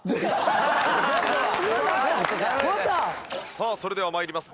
さあそれでは参ります。